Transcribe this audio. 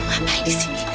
kamu ngapain disini